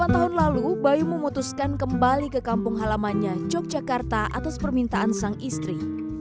dua puluh tahun lalu bayu memutuskan kembali ke kampung halamannya yogyakarta atas permintaan sang istri